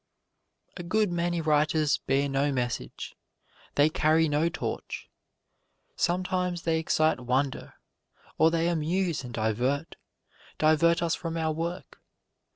A good many writers bear no message: they carry no torch. Sometimes they excite wonder, or they amuse and divert divert us from our work.